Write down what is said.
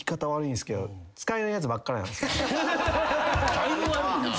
だいぶ悪いなぁ。